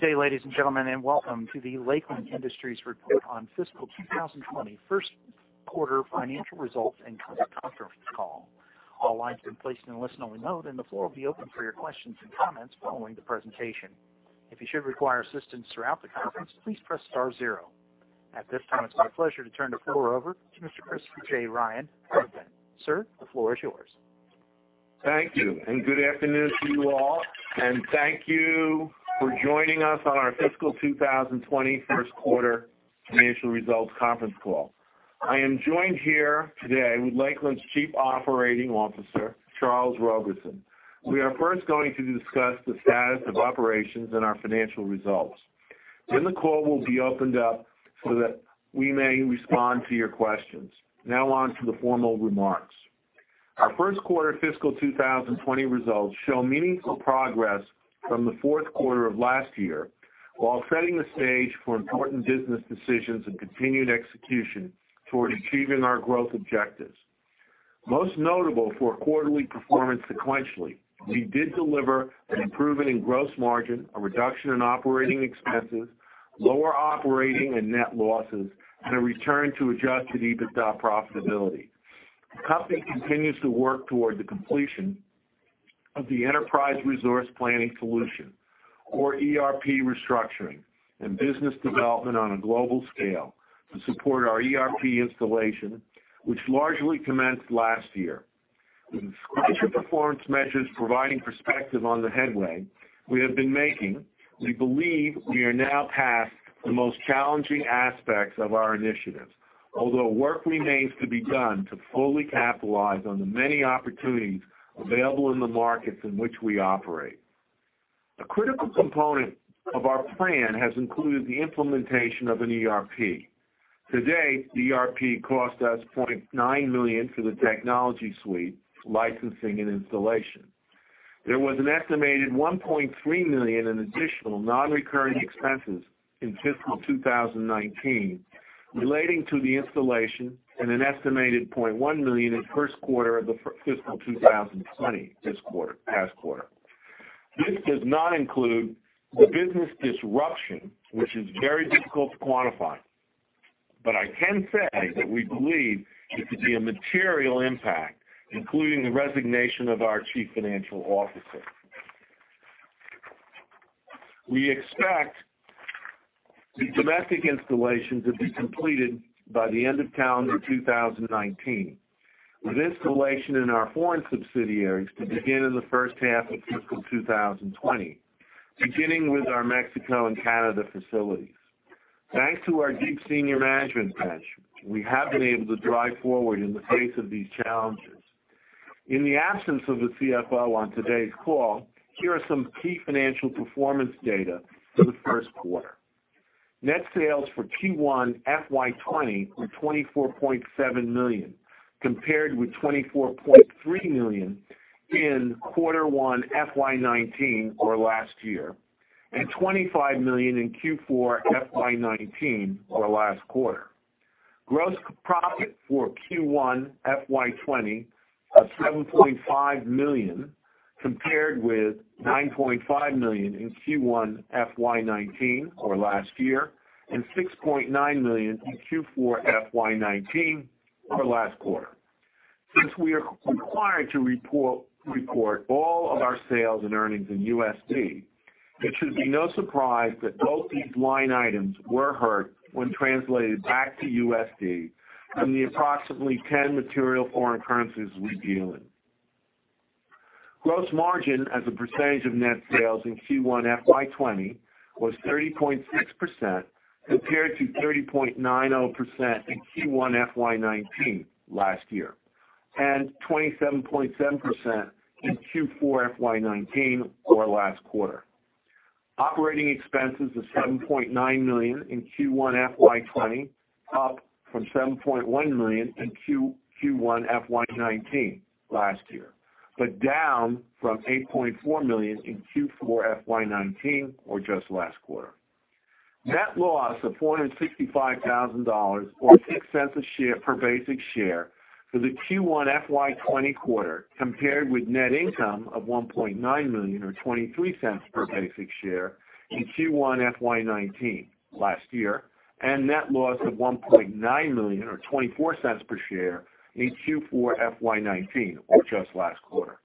Good day, ladies and gentlemen, and welcome to the Lakeland Industries report on fiscal 2020 first quarter financial results and conference call. All lines have been placed in a listen-only mode, and the floor will be open for your questions and comments following the presentation. If you should require assistance throughout the conference, please press star zero. At this time, it's my pleasure to turn the floor over to Mr. Christopher J. Ryan, President. Sir, the floor is yours. Thank you, good afternoon to you all, and thank you for joining us on our fiscal 2020 first quarter financial results conference call. I am joined here today with Lakeland's Chief Operating Officer, Charles Roberson. We are first going to discuss the status of operations and our financial results. The call will be opened up so that we may respond to your questions. Now on to the formal remarks. Our first quarter fiscal 2020 results show meaningful progress from the fourth quarter of last year while setting the stage for important business decisions and continued execution toward achieving our growth objectives. Most notable for quarterly performance sequentially, we did deliver an improvement in gross margin, a reduction in operating expenses, lower operating and net losses, and a return to adjusted EBITDA profitability. The company continues to work toward the completion of the enterprise resource planning solution, or ERP restructuring, and business development on a global scale to support our ERP installation, which largely commenced last year. With crucial performance measures providing perspective on the headway we have been making, we believe we are now past the most challenging aspects of our initiatives, although work remains to be done to fully capitalize on the many opportunities available in the markets in which we operate. A critical component of our plan has included the implementation of an ERP. To date, the ERP cost us $0.9 million for the technology suite licensing and installation. There was an estimated $1.3 million in additional non-recurring expenses in fiscal 2019 relating to the installation and an estimated $0.1 million in the first quarter of the fiscal 2020 this past quarter. This does not include the business disruption, which is very difficult to quantify. I can say that we believe it to be a material impact, including the resignation of our Chief Financial Officer. We expect the domestic installation to be completed by the end of calendar 2019, with installation in our foreign subsidiaries to begin in the first half of fiscal 2020, beginning with our Mexico and Canada facilities. Thanks to our deep senior management bench, we have been able to drive forward in the face of these challenges. In the absence of the CFO on today's call, here are some key financial performance data for the first quarter. Net sales for Q1 FY 2020 were $24.7 million, compared with $24.3 million in quarter one FY 2019 or last year, and $25 million in Q4 FY 2019 or last quarter. Gross profit for Q1 FY 2020 was $7.5 million, compared with $9.5 million in Q1 FY 2019 or last year, and $6.9 million in Q4 FY 2019 or last quarter. Since we are required to report all of our sales and earnings in USD, it should be no surprise that both these line items were hurt when translated back to USD from the approximately 10 material foreign currencies we deal in. Gross margin as a percentage of net sales in Q1 FY 2020 was 30.6%, compared to 30.90% in Q1 FY 2019 last year, and 27.7% in Q4 FY 2019 or last quarter. Operating expenses of $7.9 million in Q1 FY 2020, up from $7.1 million in Q1 FY 2019 last year, down from $8.4 million in Q4 FY 2019 or just last quarter. Net loss of $465,000 or $0.06 per basic share for the Q1 FY 2020 quarter, compared with net income of $1.9 million or $0.23 per basic share in Q1 FY 2019 last year, and net loss of $1.9 million or $0.24 per share in Q4 FY 2019 or just last quarter.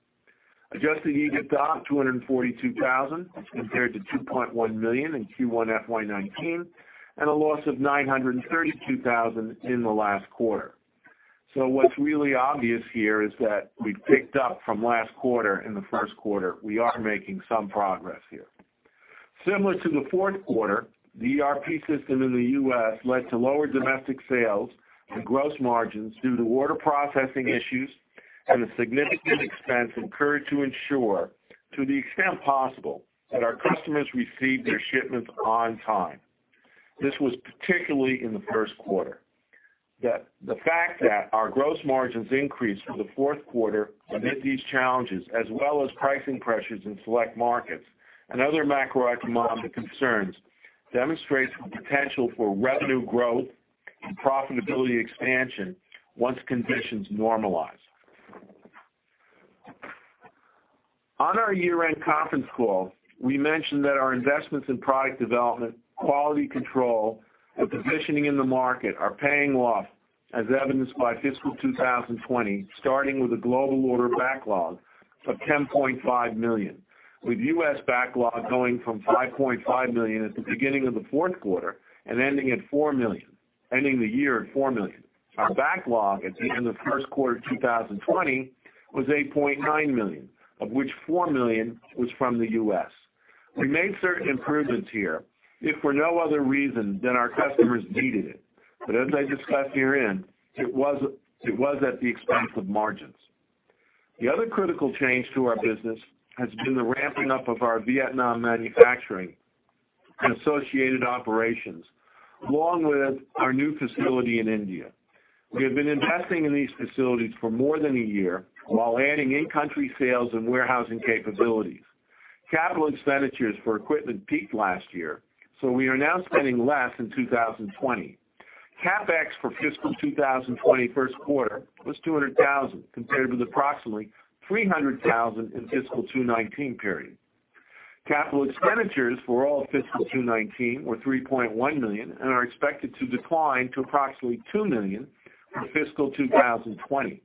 Adjusted EBITDA, $242,000, compared to $2.1 million in Q1 FY 2019, and a loss of $932,000 in the last quarter. What's really obvious here is that we picked up from last quarter in the first quarter. We are making some progress here. Similar to the fourth quarter, the ERP system in the U.S. led to lower domestic sales and gross margins due to order processing issues and a significant expense incurred to ensure, to the extent possible, that our customers received their shipments on time. This was particularly in the first quarter. The fact that our gross margins increased from the fourth quarter amid these challenges, as well as pricing pressures in select markets and other macroeconomic concerns, demonstrates the potential for revenue growth and profitability expansion once conditions normalize. On our year-end conference call, we mentioned that our investments in product development, quality control, and positioning in the market are paying off, as evidenced by fiscal 2020, starting with a global order backlog of $10.5 million, with U.S. backlog going from $5.5 million at the beginning of the fourth quarter and ending the year at $4 million. Our backlog at the end of the first quarter 2020 was $8.9 million, of which $4 million was from the U.S. We made certain improvements here, if for no other reason than our customers needed it. As I discussed herein, it was at the expense of margins. The other critical change to our business has been the ramping up of our Vietnam manufacturing and associated operations, along with our new facility in India. We have been investing in these facilities for more than a year while adding in-country sales and warehousing capabilities. Capital expenditures for equipment peaked last year, we are now spending less in 2020. CapEx for fiscal 2020 first quarter was $200,000 compared with approximately $300,000 in fiscal 2019 period. Capital expenditures for all of fiscal 2019 were $3.1 million and are expected to decline to approximately $2 million for fiscal 2020,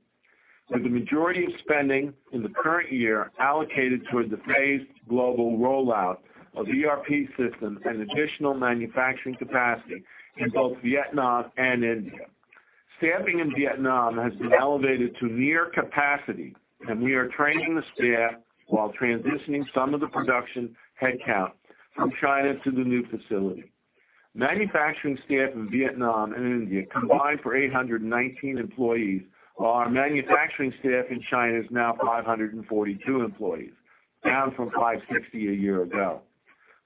with the majority of spending in the current year allocated toward the phased global rollout of ERP systems and additional manufacturing capacity in both Vietnam and India. Staffing in Vietnam has been elevated to near capacity. We are training the staff while transitioning some of the production headcount from China to the new facility. Manufacturing staff in Vietnam and India combine for 819 employees, while our manufacturing staff in China is now 542 employees, down from 560 a year ago.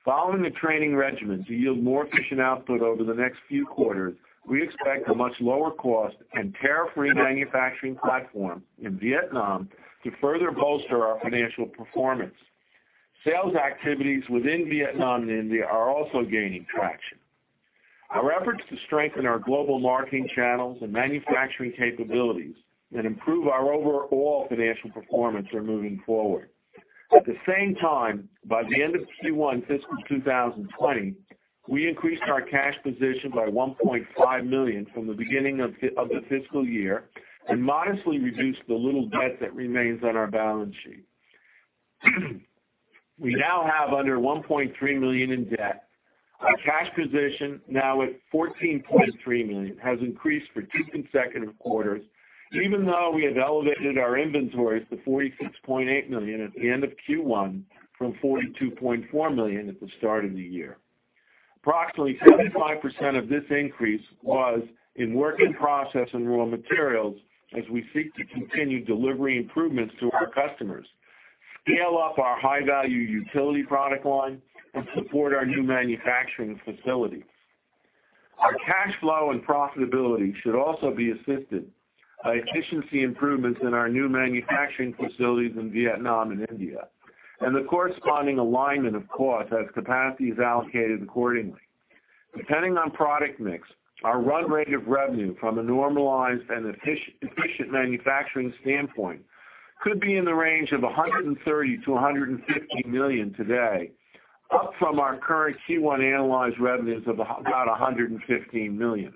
Following the training regimen to yield more efficient output over the next few quarters, we expect a much lower cost and tariff-free manufacturing platform in Vietnam to further bolster our financial performance. Sales activities within Vietnam and India are also gaining traction. Our efforts to strengthen our global marketing channels and manufacturing capabilities and improve our overall financial performance are moving forward. At the same time, by the end of Q1 FY 2020, we increased our cash position by $1.5 million from the beginning of the fiscal year and modestly reduced the little debt that remains on our balance sheet. We now have under $1.3 million in debt. Our cash position, now at $14.3 million, has increased for two consecutive quarters, even though we have elevated our inventories to $46.8 million at the end of Q1 from $42.4 million at the start of the year. Approximately 75% of this increase was in work in process and raw materials as we seek to continue delivering improvements to our customers, scale up our high-value utility product line, and support our new manufacturing facilities. Our cash flow and profitability should also be assisted by efficiency improvements in our new manufacturing facilities in Vietnam and India and the corresponding alignment of cost as capacity is allocated accordingly. Depending on product mix, our run rate of revenue from a normalized and efficient manufacturing standpoint could be in the range of $130 million-$150 million today, up from our current Q1 analyzed revenues of about $115 million.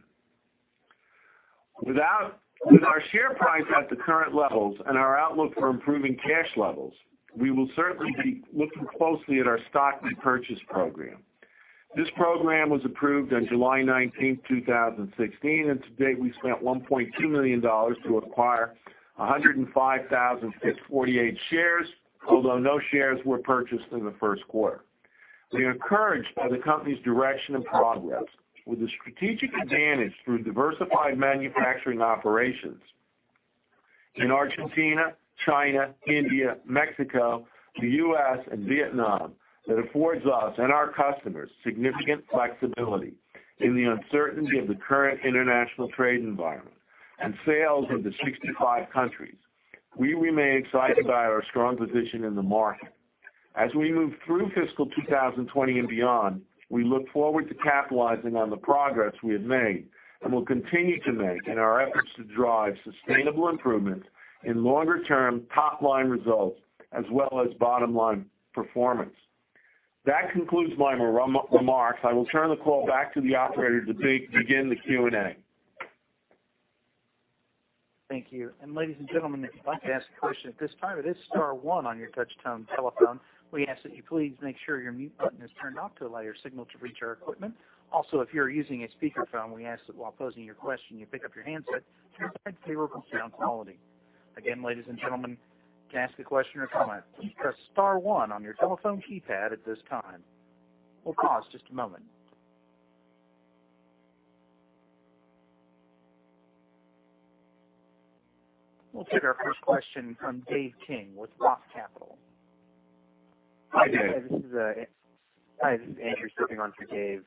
With our share price at the current levels and our outlook for improving cash levels, we will certainly be looking closely at our stock repurchase program. This program was approved on July 19th, 2016. To date we've spent $1.2 million to acquire 105,048 shares, although no shares were purchased in the first quarter. We are encouraged by the company's direction and progress with a strategic advantage through diversified manufacturing operations in Argentina, China, India, Mexico, the U.S., and Vietnam that affords us and our customers significant flexibility in the uncertainty of the current international trade environment and sales into 65 countries. We remain excited by our strong position in the market. As we move through FY 2020 and beyond, we look forward to capitalizing on the progress we have made and will continue to make in our efforts to drive sustainable improvements in longer-term top-line results as well as bottom-line performance. That concludes my remarks. I will turn the call back to the operator to begin the Q&A. Thank you. Ladies and gentlemen, if you'd like to ask a question at this time, it is star one on your touchtone telephone. We ask that you please make sure your mute button is turned off to allow your signal to reach our equipment. Also, if you're using a speakerphone, we ask that while posing your question, you pick up your handset to provide favorable sound quality. Again, ladies and gentlemen, to ask a question or comment, please press star one on your telephone keypad at this time. We'll pause just a moment. We'll take our first question from Dave King with ROTH Capital. Hi, Dave. Hi, this is Andrew stepping in for Dave.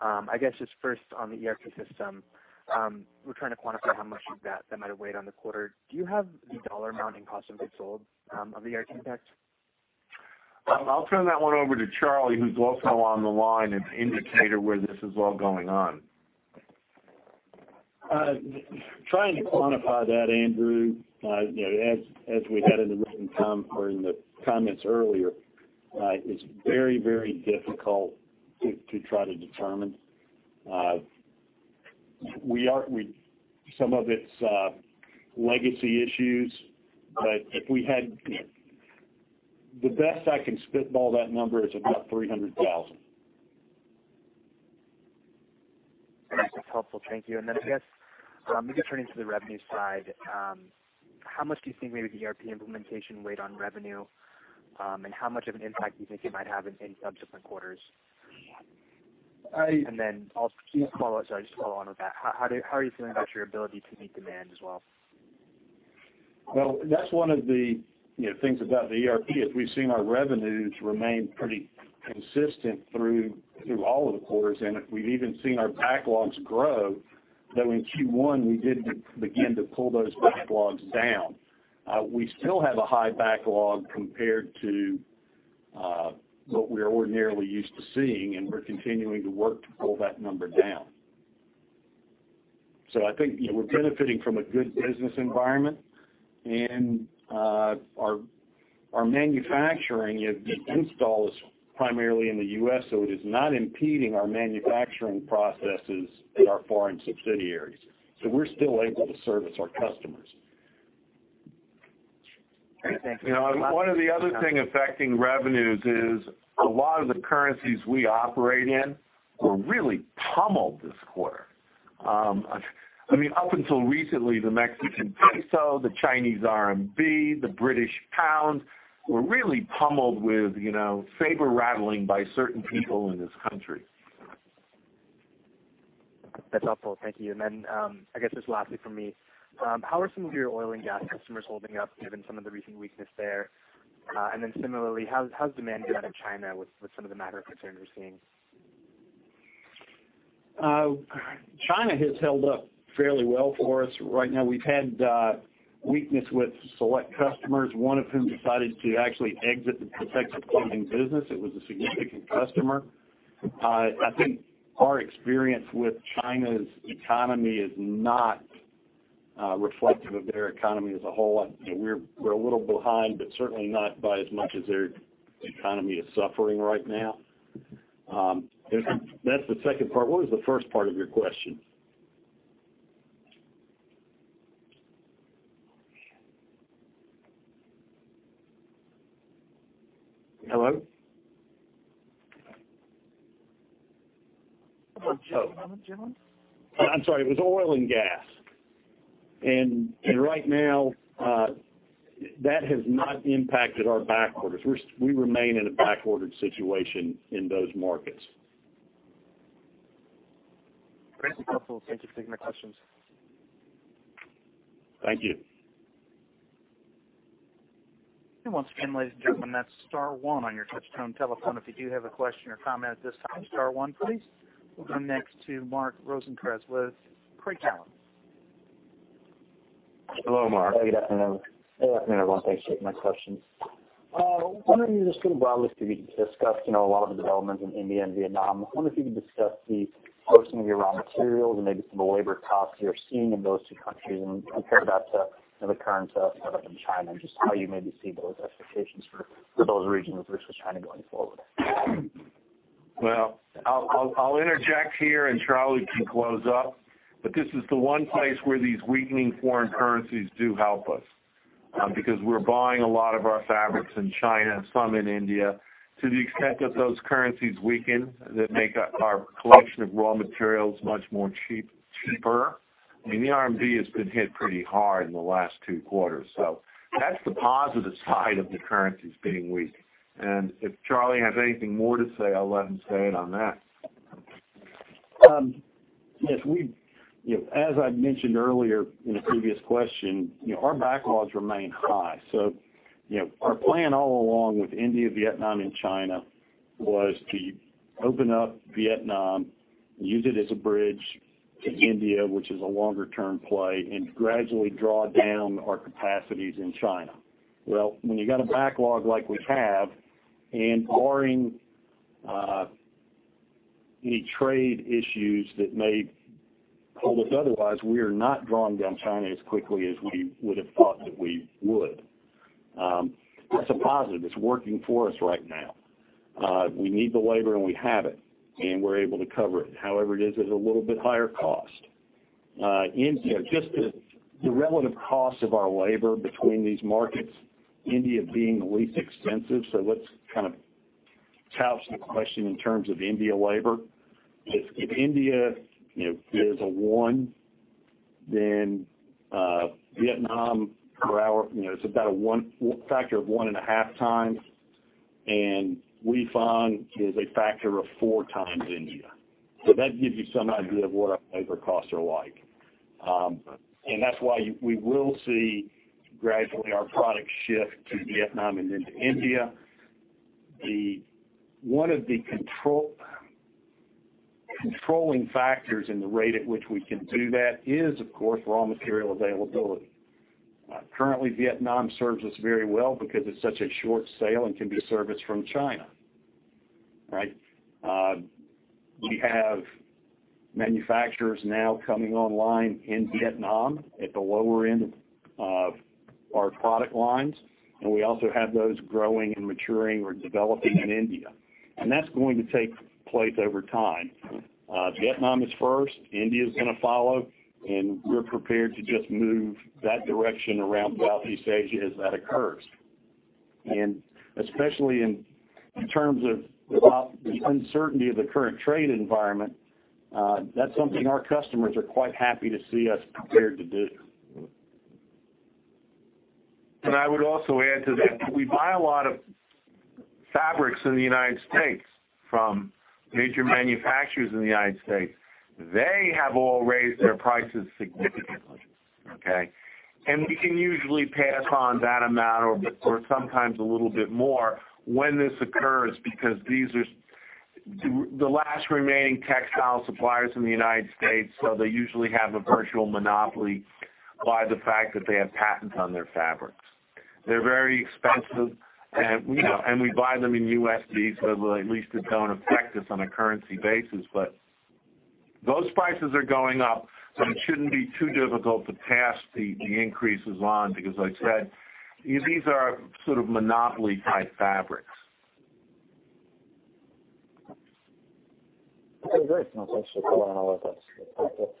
I guess just first on the ERP system. We're trying to quantify how much of that might have weighed on the quarter. Do you have the dollar amount in cost of goods sold of the ERP impact? I'll turn that one over to Charlie, who's also on the line and can indicate where this is all going on. Trying to quantify that, Andrew, as we had in the written comment or in the comments earlier, is very, very difficult to try to determine. Some of it's legacy issues. The best I can spitball that number is about $300,000. That's helpful. Thank you. Then I guess maybe turning to the revenue side, how much do you think maybe the ERP implementation weighed on revenue? How much of an impact do you think it might have in subsequent quarters? Then just to follow on with that, how are you feeling about your ability to meet demand as well? That's one of the things about the ERP is we've seen our revenues remain pretty consistent through all of the quarters, and we've even seen our backlogs grow. In Q1, we did begin to pull those backlogs down. We still have a high backlog compared to what we're ordinarily used to seeing, and we're continuing to work to pull that number down. I think we're benefiting from a good business environment, and our manufacturing install is primarily in the U.S., it is not impeding our manufacturing processes at our foreign subsidiaries. We're still able to service our customers. Great. Thank you. One of the other thing affecting revenues is a lot of the currencies we operate in were really pummeled this quarter. Up until recently, the Mexican peso, the Chinese RMB, the British pound, were really pummeled with saber-rattling by certain people in this country. That's helpful. Thank you. I guess just lastly from me, how are some of your oil and gas customers holding up given some of the recent weakness there? Similarly, how's demand been out of China with some of the macroeconomic concerns we're seeing? China has held up fairly well for us. Right now, we've had weakness with select customers, one of whom decided to actually exit the protective clothing business. It was a significant customer. I think our experience with China's economy is not reflective of their economy as a whole. We're a little behind, but certainly not by as much as their economy is suffering right now. That's the second part. What was the first part of your question? Hello? One moment, gentlemen. I'm sorry. It was oil and gas. Right now, that has not impacted our back orders. We remain in a back-ordered situation in those markets. Great. That's helpful. Thank you for taking the questions. Thank you. Once again, ladies and gentlemen, that's star one on your touch-tone telephone. If you do have a question or comment at this time, star one, please. We'll go next to Mark Rosenkranz with Craig-Hallum. Hello, Mark. Good afternoon. Good afternoon, everyone. Thanks for taking my questions. Wondering if you could broadly speak, you discussed a lot of the developments in India and Vietnam. I wonder if you could discuss the sourcing of your raw materials and maybe some of the labor costs you're seeing in those two countries and compare that to the current setup in China and just how you maybe see those expectations for those regions versus China going forward. I'll interject here and Charlie can close up. This is the one place where these weakening foreign currencies do help us, because we're buying a lot of our fabrics in China and some in India. To the extent that those currencies weaken, that make our collection of raw materials much more cheaper. The RMB has been hit pretty hard in the last two quarters. That's the positive side of the currencies being weak. If Charlie has anything more to say, I'll let him say it on that. As I mentioned earlier in a previous question, our backlogs remain high. Our plan all along with India, Vietnam, and China was to open up Vietnam, use it as a bridge to India, which is a longer-term play, and gradually draw down our capacities in China. When you got a backlog like we have, and barring any trade issues that may pull us otherwise, we are not drawing down China as quickly as we would have thought that we would. That's a positive. It's working for us right now. We need the labor, and we have it, and we're able to cover it. However, it is at a little bit higher cost. India, just the relative cost of our labor between these markets, India being the least expensive. Let's kind of couch the question in terms of India labor. If India is a one, then Vietnam per hour, it's about a factor of one and a half times, and Weifang is a factor of four times India. That gives you some idea of what our labor costs are like. That's why we will see gradually our products shift to Vietnam and then to India. One of the controlling factors in the rate at which we can do that is, of course, raw material availability. Currently, Vietnam serves us very well because it's such a short sail and can be serviced from China. Right. We have manufacturers now coming online in Vietnam at the lower end of our product lines, and we also have those growing and maturing or developing in India, and that's going to take place over time. Vietnam is first, India's going to follow, we're prepared to just move that direction around Southeast Asia as that occurs. Especially in terms of the uncertainty of the current trade environment, that's something our customers are quite happy to see us prepared to do. I would also add to that, we buy a lot of fabrics in the U.S. from major manufacturers in the U.S. They have all raised their prices significantly. Okay. We can usually pass on that amount or sometimes a little bit more when this occurs, because these are the last remaining textile suppliers in the U.S. They usually have a virtual monopoly by the fact that they have patents on their fabrics. They're very expensive, we buy them in USD, at least it don't affect us on a currency basis, those prices are going up, it shouldn't be too difficult to pass the increases on because as I said, these are sort of monopoly-type fabrics. Okay, great. No, thanks for clearing all that up.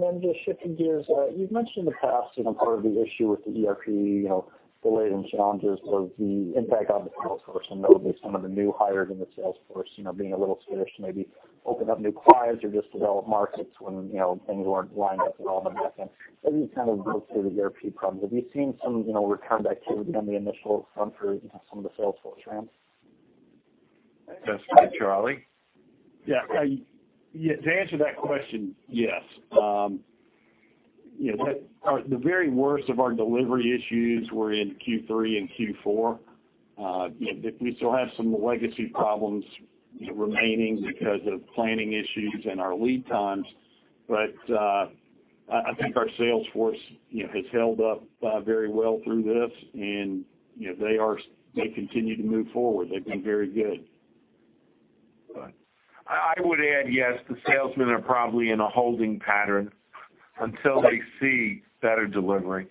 Then just shifting gears, you've mentioned in the past, part of the issue with the ERP, the latent challenges or the impact on the sales force, notably some of the new hires in the sales force being a little skittish to maybe open up new clients or just develop markets when things weren't lined up and all the mess as you kind of go through the ERP problems. Have you seen some returned activity on the initial front for some of the sales force ramps? That's to you, Charlie. Yeah. To answer that question, yes. The very worst of our delivery issues were in Q3 and Q4. We still have some legacy problems remaining because of planning issues and our lead times, but, I think our sales force has held up very well through this, and they continue to move forward. They've been very good. I would add, yes, the salesmen are probably in a holding pattern until they see better delivery.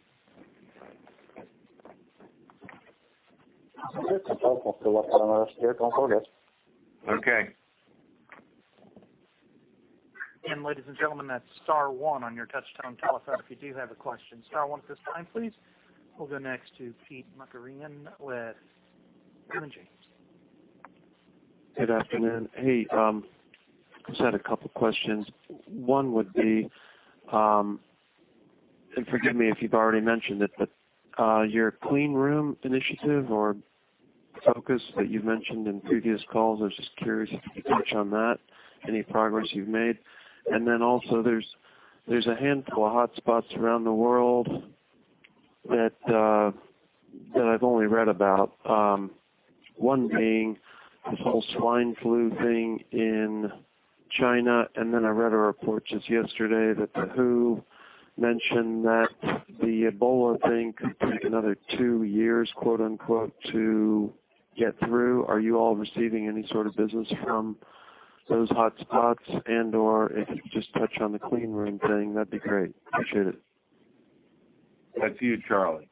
Okay. Ladies and gentlemen, that's star one on your touch-tone telephone if you do have a question. Star one at this time, please. We'll go next to Peter Markarian with Evercore. Good afternoon. Just had a couple questions. One would be, and forgive me if you've already mentioned it, but, your cleanroom initiative or focus that you've mentioned in previous calls, I was just curious if you could touch on that, any progress you've made. There's a handful of hotspots around the world that I've only read about. One being this whole swine flu thing in China, and then I read a report just yesterday that the WHO mentioned that the Ebola thing could take another 2 years, quote unquote, to get through. Are you all receiving any sort of business from those hotspots and/or if you could just touch on the cleanroom thing, that'd be great. Appreciate it. That's you, Charlie.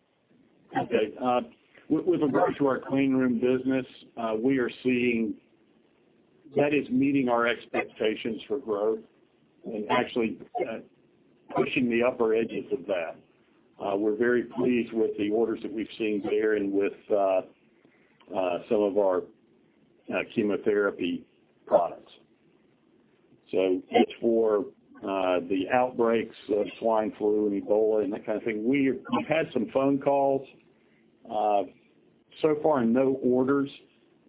With regard to our cleanroom business, we are seeing that is meeting our expectations for growth and actually pushing the upper edges of that. We're very pleased with the orders that we've seen there and with some of our chemotherapy products. As for the outbreaks of swine flu and Ebola and that kind of thing, we have had some phone calls. So far no orders.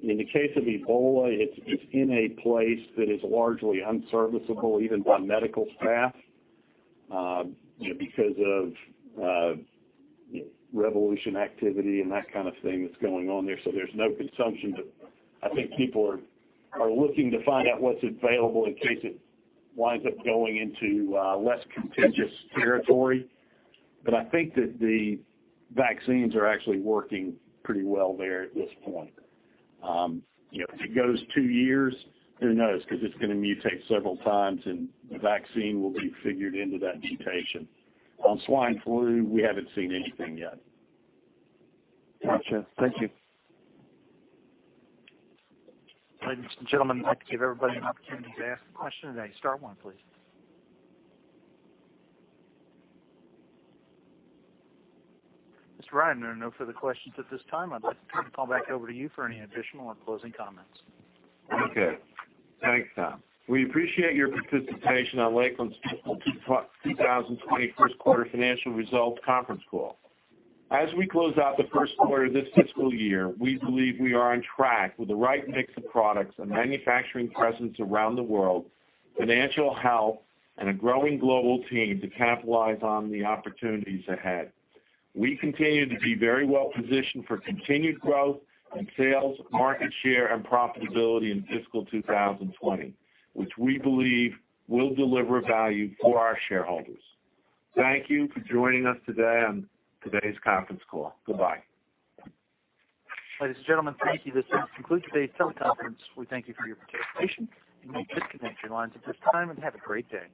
In the case of Ebola, it's in a place that is largely unserviceable, even by medical staff, because of revolution activity and that kind of thing that's going on there. There's no consumption, but I think people are looking to find out what's available in case it winds up going into less contagious territory. I think that the vaccines are actually working pretty well there at this point. If it goes 2 years, who knows? Because it's going to mutate several times and the vaccine will be figured into that mutation. On swine flu, we haven't seen anything yet. Gotcha. Thank you. Ladies and gentlemen, I'd like to give everybody an opportunity to ask a question today. Star one please. Mr. Ryan, there are no further questions at this time. I'd like to turn the call back over to you for any additional or closing comments. Okay. Thanks, Tom. We appreciate your participation on Lakeland's fiscal 2020 first quarter financial results conference call. As we close out the first quarter of this fiscal year, we believe we are on track with the right mix of products and manufacturing presence around the world, financial health, and a growing global team to capitalize on the opportunities ahead. We continue to be very well positioned for continued growth in sales, market share, and profitability in fiscal 2020, which we believe will deliver value for our shareholders. Thank you for joining us today on today's conference call. Goodbye. Ladies and gentlemen, thank you. This concludes today's teleconference. We thank you for your participation. You may disconnect your lines at this time and have a great day.